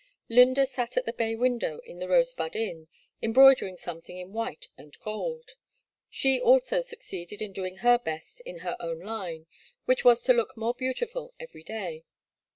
L3mda sat at the bay window in the Rosebud Inn, embroidering something in white and gold. She also succeeded in doing her best in her own line, which was to look more beautiful every day.